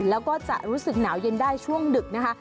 แล้วก็จะรู้สึกหนาวเย็นได้ช่วงดึกนะคะ